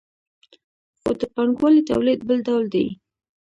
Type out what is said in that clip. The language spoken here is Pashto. خو د پانګوالي تولید بل ډول دی.